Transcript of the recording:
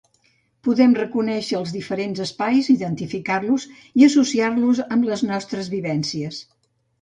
Podem reconèixer els diferents espais, identificar-los i associar-los amb les nostres vivències.